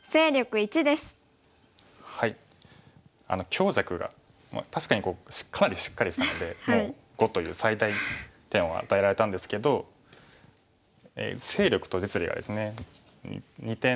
強弱が確かにかなりしっかりしたのでもう５という最大点は与えられたんですけど勢力と実利がですね２点。